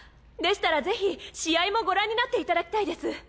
でしたらぜひ試合もご覧になっていただきたいです。